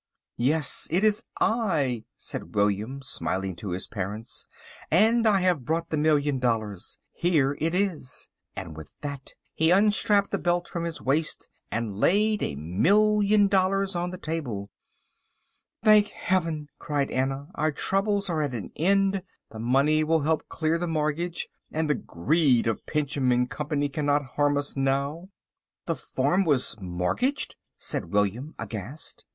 "Yes, it is I," said William, smiling to his parents, "and I have brought the million dollars. Here it is," and with that he unstrapped the belt from his waist and laid a million dollars on the table. "Thank Heaven!" cried Anna, "our troubles are at an end. This money will help clear the mortgage—and the greed of Pinchem & Co. cannot harm us now." "The farm was mortgaged!" said William, aghast.